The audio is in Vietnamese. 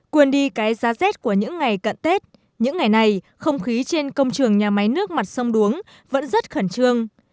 quên đi cái giá rét của những ngày cận tết những ngày này không khí trên công trường nhà máy nước mặt sông đuống vẫn rất khẩn trương